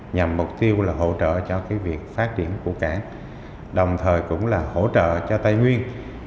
nhằm mục tiêu là hỗ trợ cho việc phát triển của cảng đồng thời cũng là hỗ trợ cho tây nguyên